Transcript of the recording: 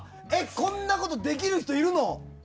こんなことできる人いるの？